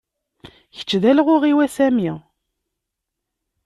Kečč d alɣuɣ-iw, a Sami.